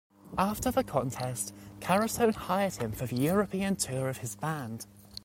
After the contest, Carosone hired him for the European tour of his band.